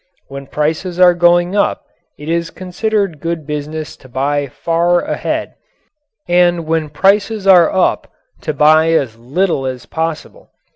When prices are going up it is considered good business to buy far ahead, and when prices are up to buy as little as possible.